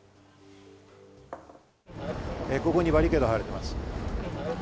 ここにバリケードが張られています。